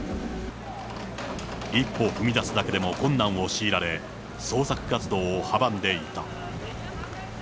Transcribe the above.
一歩踏み出すだけでも困難を強いられ、捜索活動を阻んでいた。